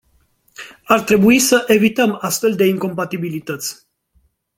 Ar trebui să evităm astfel de incompatibilități.